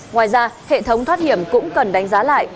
ngoài ra hệ thống thoát hiểm cũng cần đánh giá lại